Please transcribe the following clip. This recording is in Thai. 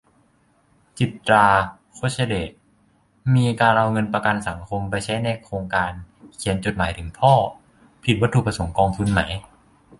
จิตรา คชเดช : มีการเอาเงินประกันสังคม ไปใช้ในโครงการ "เขียนจดหมายถึงพ่อ" ผิดวัตถุประสงค์กองทุนไหม ?